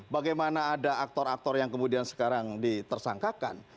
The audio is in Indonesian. bagaimana ada aktor aktor yang kemudian sekarang ditersangkakan